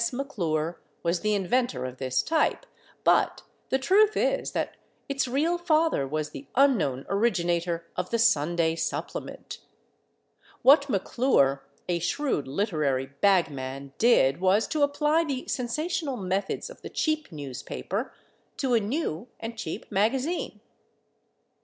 McClure was the inventor of this type, but the truth is that its real father was the unknown originator of the Sunday supplement. What McClure—a shrewd literary bagman—did was to apply the sensational methods of the cheap newspaper to a new and cheap magazine.